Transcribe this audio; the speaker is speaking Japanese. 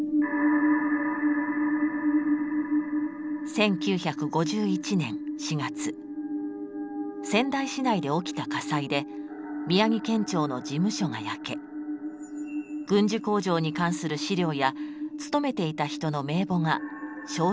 １９５１年４月仙台市内で起きた火災で宮城県庁の事務所が焼け軍需工場に関する資料や勤めていた人の名簿が焼失したというのです。